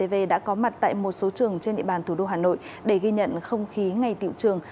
vv đã có mặt tại một số trường trên địa bàn thủ đô hà nội để ghi nhận không khí ngày tiệu trường